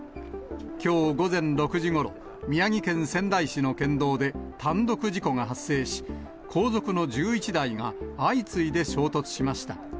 きょう午前６時ごろ、宮城県仙台市の県道で単独事故が発生し、後続の１１台が相次いで衝突しました。